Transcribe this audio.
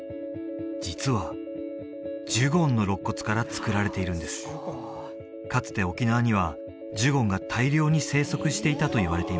実はジュゴンのろっ骨から作られているんですかつて沖縄にはジュゴンが大量に生息していたといわれています